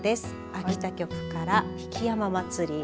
秋田局から曳山祭。